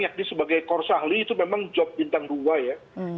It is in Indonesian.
yakni sebagai kurs ahli itu memang job bintang dua ya